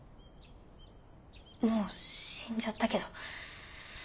もう死んじゃったけど。